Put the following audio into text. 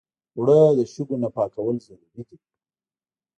اوړه د شګو نه پاکول ضروري دي